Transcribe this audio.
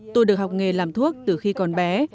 tôi được học nghề làm thuốc từ khi còn bé